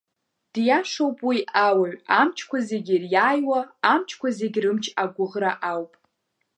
Диашоуп уи ауаҩ амчқәа зегьы ириааиуа, амчқәа зегьы рымч агәыӷра ауп.